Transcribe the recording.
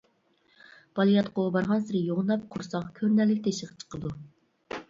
بالىياتقۇ بارغانسېرى يوغىناپ، قورساق كۆرۈنەرلىك تېشىغا چىقىدۇ.